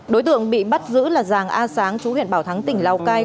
đối tượng bị bắt giữ là giàng a sáng chú huyện bảo thắng tỉnh lào cai